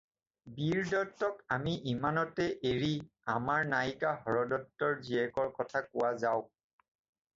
বীৰদত্তক আমি ইমানতে এৰি আমাৰ নায়িকা হৰদত্তৰ জীয়েকৰ কথা কোৱা যাওক।